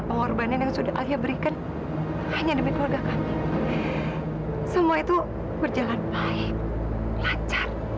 sampai jumpa di video selanjutnya